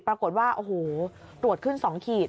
ปรากฏว่าโอ้โหตรวจขึ้น๒ขีด